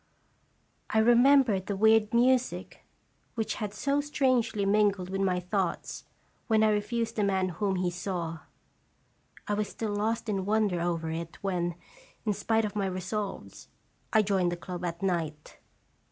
I remembered the weird music which had so strangely mingled with my thoughts when I refused the man whom he saw. I was still lost in wonder over it when, in spite of my resolves, I joined the club at night.